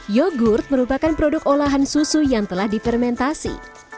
yogurt merupakan produk olahan susu yang telah difermentasi